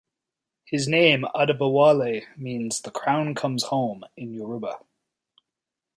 His name "Adebowale" means "the crown comes home" in Yoruba.